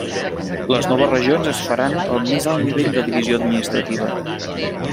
Les noves regions es faran el més alt nivell de divisió administrativa.